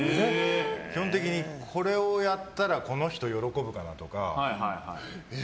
基本的にこれをやったらこの人喜ぶかなとか。